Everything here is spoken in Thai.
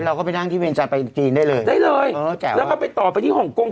เราก็ไปนั่งที่เวรจันทร์ไปจีนได้เลยได้เลยอ๋อจ้ะแล้วก็ไปต่อไปที่ฮ่องกง